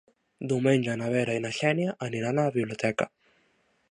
Diumenge na Vera i na Xènia aniran a la biblioteca.